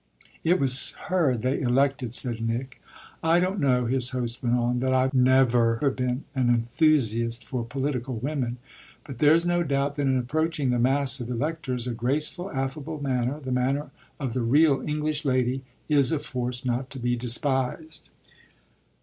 "It was her they elected," said Nick. "I don't know," his host went on, "that I've ever been an enthusiast for political women, but there's no doubt that in approaching the mass of electors a graceful, affable manner, the manner of the real English lady, is a force not to be despised."